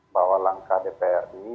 bahwa langkah dpr ini